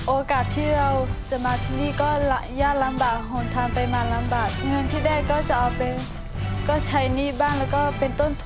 โอกาสที่เราจะมาที่นี่ก็ยากลำบากหนทางไปมาลำบากเงินที่ได้ก็จะเอาไปก็ใช้หนี้บ้างแล้วก็เป็นต้นทุน